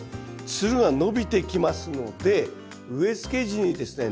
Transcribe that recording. つるが伸びてきますので植えつけ時にですね